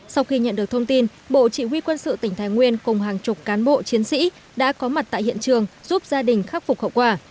sau khi nhận được thông tin bộ chỉ huy quân sự tỉnh thái nguyên cùng hàng chục cán bộ chiến sĩ đã có mặt tại hiện trường giúp gia đình khắc phục hậu quả